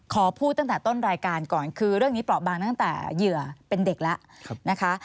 ขอพูดตั้งแต่ต้นรายการก่อนคือเรื่องนี้เปราะบางตั้งแต่เหยื่อเป็นเด็กแล้วนะคะ